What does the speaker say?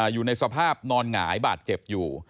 อยู่ในสภาพนอนหงายบาดเจ็บอยู่